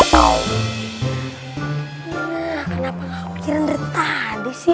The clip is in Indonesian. nah kenapa gak kira kira tadi sih